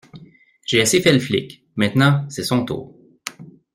J’ai assez fait le flic, maintenant c’est son tour